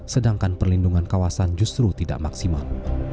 sedangkan perlindungan kawasan justru tidak maksimal